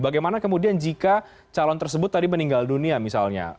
bagaimana kemudian jika calon tersebut tadi meninggal dunia misalnya